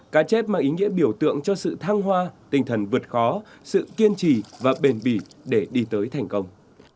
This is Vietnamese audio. cá chết mang ý nghĩa biểu tượng cho sự thăng hoa tinh thần vượt khó sự kiên trì và bền bỉ để đi tới thành công